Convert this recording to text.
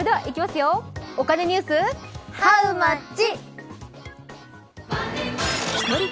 お金ニュース、ハウマッチ！